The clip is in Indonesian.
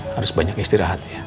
harus banyak istirahat ya